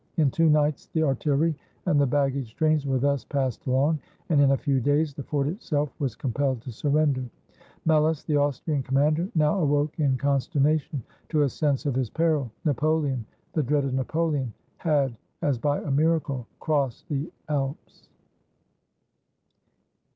In two nights the artillery and the baggage trains were thus passed along, and in a few days the fort itself was compelled to surrender. Melas, the Austrian commander, now awoke, in con sternation, to a sense of his peril. Napoleon — the dreaded Napoleon — had, as by a miracle, crossed the Alps.